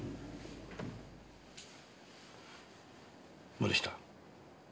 森下。